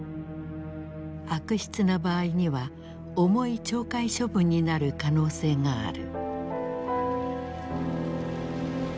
悪質な場合には重い懲戒処分になる可能性がある。